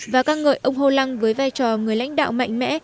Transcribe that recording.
và căng ngợi ông hollande với vai trò người lãnh đạo mạnh mẽ